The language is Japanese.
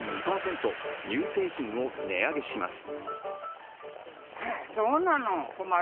乳製品を値上げします。